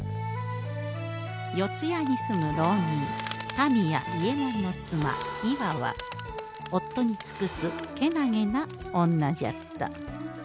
四谷に住む浪人民谷伊右衛門の妻岩は夫に尽くすけなげな女じゃった